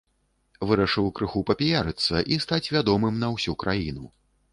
Вырашыў крыху папіярыцца і стаць вядомым на ўсю краіну.